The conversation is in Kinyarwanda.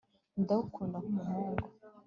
ndagukunda nk'umuhungu